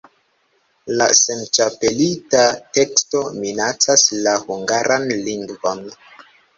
La senĉapelita teksto minacas la hungaran lingvon.